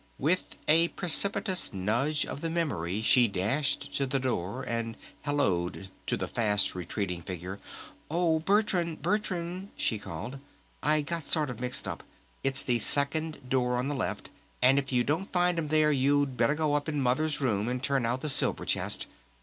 With a precipitous nudge of the memory she dashed to the door and helloed to the fast retreating figure. "Oh, Bertrand! Bertrand!" she called, "I got sort of mixed up. It's the second door on the left! And if you don't find 'em there you'd better go up in Mother's room and turn out the silver chest!